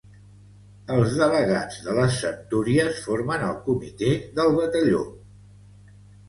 Els delegats de les centúries, formen el Comitè del Batalló.